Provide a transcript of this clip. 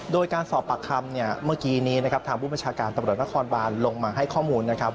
โดยการสอบปากคำเนี่ยเมื่อกี้นี้นะครับทางผู้บัญชาการตำรวจนครบานลงมาให้ข้อมูลนะครับ